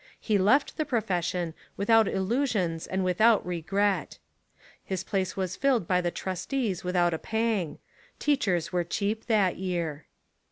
He left the profession without illusions and with out regret. His place was filled by the trustees without a pang: teachers were cheap that year.